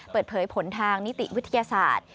เปิดเผยผลทางนิติวิทยาศาสตร์